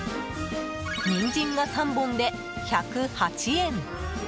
ニンジンが３本で１０８円。